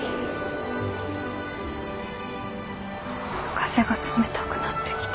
風が冷たくなってきた。